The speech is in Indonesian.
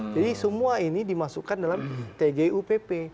jadi semua ini dimasukkan dalam tgupp